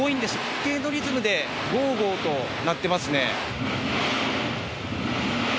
一定のリズムでゴーゴーと鳴ってますね。